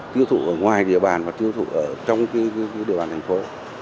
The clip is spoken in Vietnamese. tiêu thụ ở ngoài địa bàn và tiêu thụ ở trong địa bàn thành phố